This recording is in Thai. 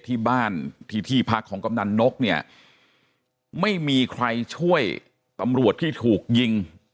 ที่บ้านที่ที่พักของกำนันนกเนี่ยไม่มีใครช่วยตำรวจที่ถูกยิง